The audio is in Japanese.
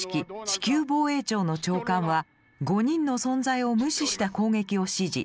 「地球防衛庁」の長官は５人の存在を無視した攻撃を指示。